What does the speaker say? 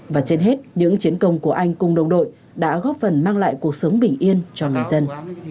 và trên hết những chiến công của anh cùng đồng đội đã góp phần mang lại cuộc sống bình yên cho người dân